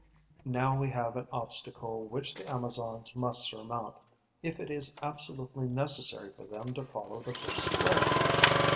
Now we have an obstacle which the Amazons must surmount, if it is absolutely necessary for them to follow the first trail.